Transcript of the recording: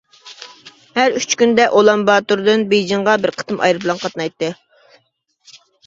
ھەر ئۈچ كۈندە ئۇلانباتوردىن بېيجىڭغا بىر قېتىم ئايروپىلان قاينايتتى.